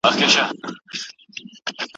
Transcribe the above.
په دربار کي یې څو غټ سړي ساتلي